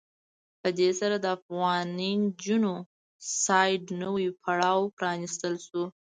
په دې سره د افغاني جینو سایډ نوی پړاو پرانستل شو.